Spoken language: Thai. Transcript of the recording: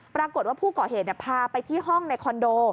ปรากฏว่าผู้ก่อเหตุพาไปที่ห้องในคอนโด